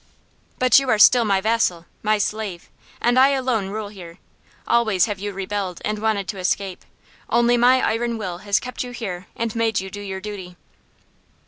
"But you are still my vassal, my slave; and I alone rule here. Always have you rebelled and wanted to escape. Only my iron will has kept you here and made you do your duty."